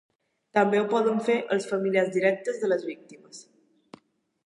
També ho poden fer els familiars directes de les víctimes.